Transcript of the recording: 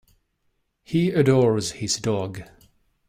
He adores his dog